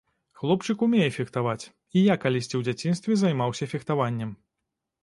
Хлопчык умее фехтаваць, і я калісьці ў дзяцінстве займаўся фехтаваннем.